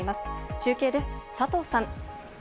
中継です、佐藤さん。